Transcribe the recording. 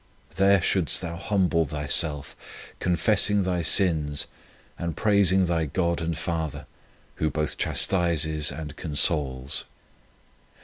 There shouldst thou humble thyself, confessing thy sins, and praising thy God and Father, Who both chastises and consoles.